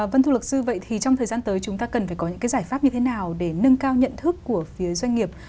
vâng thưa luật sư vậy thì trong thời gian tới chúng ta cần phải có những cái giải pháp như thế nào để nâng cao nhận thức của phía doanh nghiệp